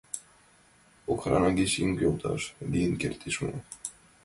Охрана гыч еҥ йолташ лийын кертеш мо?